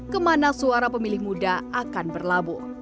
kemana suara pemilih muda akan berlabuh